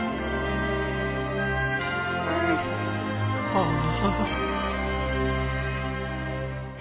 ああ。